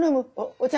お茶。